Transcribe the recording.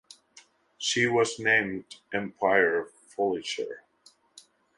She was renamed "Empire Fusilier".